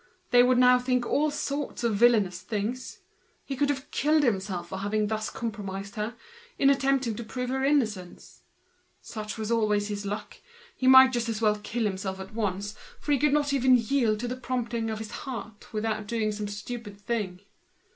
They would now think all sorts of villainous things: he could have killed himself for having thus compromised her, in attempting to prove her innocence. This was always his luck, he might just as well kill himself at once, for he could not even yield to the promptings of his heart without doing some stupid thing.